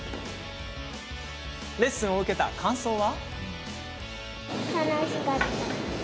レッスンを受けた感想は？